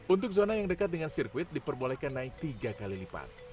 untuk zona yang dekat dengan sirkuit diperbolehkan naik tiga kali lipat